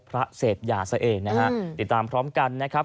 พระเศษยาเสียเองนะฮะติดตามพร้อมกันนะครับ